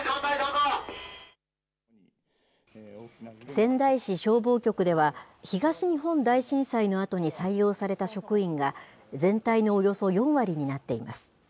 仙台市消防局では、東日本大震災のあとに採用された職員が、全体のおよそ４割になっています。